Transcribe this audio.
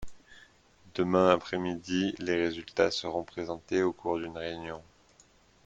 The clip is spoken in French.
Demain après-midi, les résultats seront présentés au cours d'une réunion.